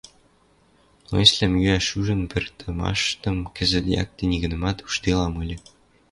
Млоецвлӓм йӱӓш ӱжӹн пыртымыштым кӹзӹт якте нигынамат ужделам ыльы.